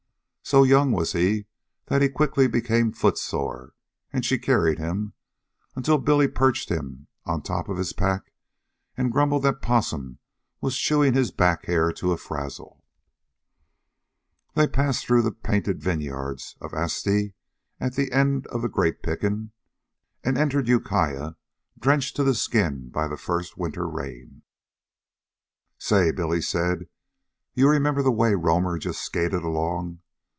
So young was he that he quickly became footsore, and she carried him until Billy perched him on top of his pack and grumbled that Possum was chewing his back hair to a frazzle. They passed through the painted vineyards of Asti at the end of the grape picking, and entered Ukiah drenched to the skin by the first winter rain. "Say," Billy said, "you remember the way the Roamer just skated along.